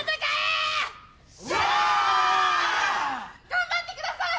頑張ってください！